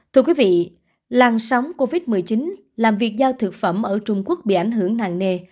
thưa quý vị làng sóng covid một mươi chín làm việc giao thực phẩm ở trung quốc bị ảnh hưởng nặng nề